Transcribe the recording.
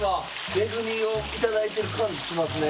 恵みを頂いてる感じしますね。